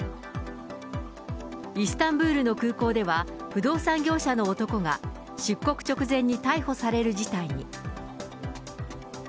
イスタンブールの空港では、不動産業者の男が出国直前に逮捕される事態に。